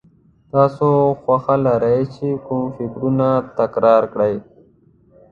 تاسې خوښه لرئ چې کوم فکرونه تکرار کړئ.